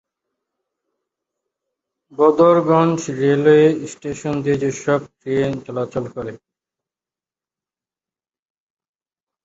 Badarganj railway station দিয়ে যেসকল train চলাচল করে।